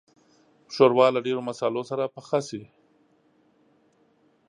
ښوروا له ډېرو مصالحو سره پخه شي.